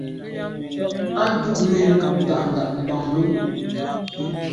A tù’ mèn nda’nda’ mban lo.